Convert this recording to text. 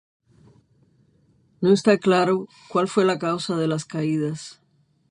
No está claro cuál fue la causa de las caídas.